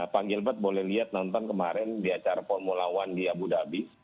pak gilbert boleh lihat nonton kemarin di acara formula one di abu dhabi